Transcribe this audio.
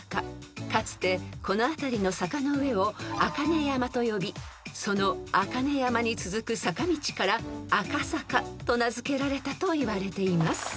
［かつてこの辺りの坂の上を赤根山と呼びその赤根山に続く坂道から赤坂と名付けられたといわれています］